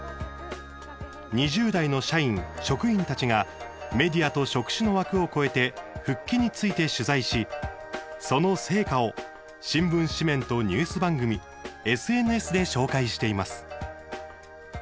２０代の社員、職員たちがメディアと職種の枠を超えて復帰について取材しその成果を新聞紙面とニュース番組ＳＮＳで紹介しています。